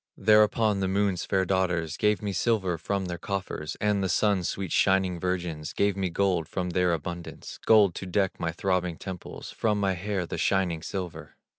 Thereupon the Moon's fair daughters Gave me silver from their coffers; And the Sun's sweet shining virgins Gave me gold from their abundance, Gold to deck my throbbing temples, For my hair the shining silver.